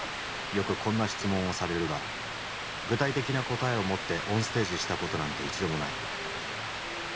よくこんな質問をされるが具体的な答えを持ってオンステージしたことなんて一度もない。